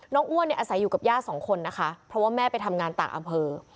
อ้วนเนี่ยอาศัยอยู่กับย่าสองคนนะคะเพราะว่าแม่ไปทำงานต่างอำเภอ